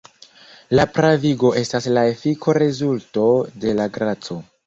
La pravigo estas la efiko-rezulto de la graco.